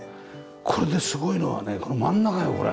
これですごいのはねこの真ん中よこれ。